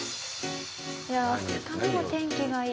２日目も天気がいい。